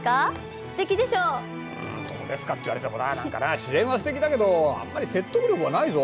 「どうですか」って言われてもな何かな自然はすてきだけどあんまり説得力がないぞ。